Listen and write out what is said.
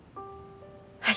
はい。